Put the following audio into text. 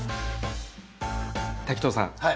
滝藤さん